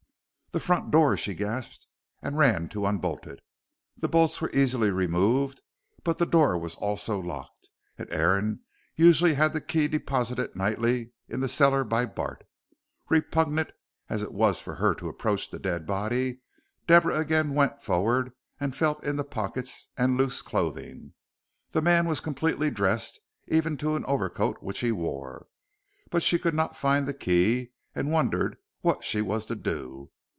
"The front door," she gasped, and ran to unbolt it. The bolts were easily removed, but the door was also locked, and Aaron usually had the key deposited nightly in the cellar by Bart. Repugnant as it was for her to approach the dead body, Deborah again went forward and felt in the pockets and loose clothing. The man was completely dressed, even to an overcoat which he wore. But she could not find the key and wondered what she was to do.